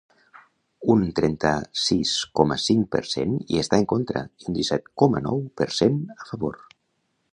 Un trenta-sis coma cinc per cent hi està en contra i un disset coma nou per cent, a favor.